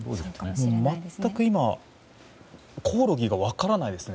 全く今コオロギが分からないですね。